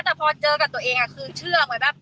แต่พอเจอกับตัวเองคือเชื่อเหมือนแบบ